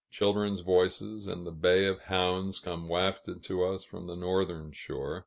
Children's voices, and the bay of hounds, come wafted to us from the northern shore.